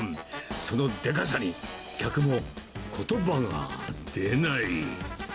そのでかさに、お客もことばが出ない。